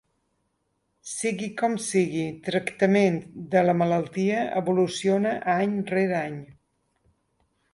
Sigui com sigui, tractament de la malaltia evoluciona any rere any.